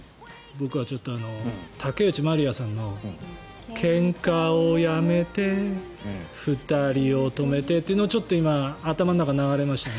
僕はちょっと竹内まりやさんのけんかをやめて、２人を止めてっていうのをちょっと今、頭の中流れましたね。